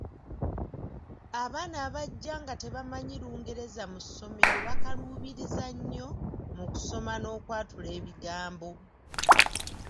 Abaana abajja nga tebamanyi Lungereza mu ssomero bakaluubiriza nnyo mu kusoma n'okwatula ebigambo.